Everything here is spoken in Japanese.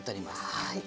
はい。